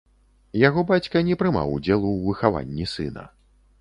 Яго бацька не прымаў удзелу ў выхаванні сына.